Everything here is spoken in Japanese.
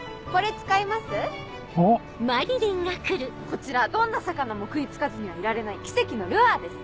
こちらどんな魚も食い付かずにはいられない奇跡のルアーです。